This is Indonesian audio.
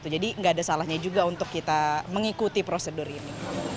nggak ada salahnya juga untuk kita mengikuti prosedur ini